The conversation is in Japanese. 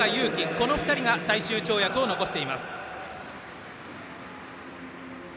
この２人が最終跳躍を残しています。